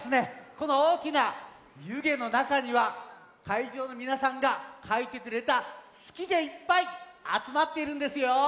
このおおきなゆげのなかにはかいじょうのみなさんがかいてくれた「すき」がいっぱいあつまっているんですよ。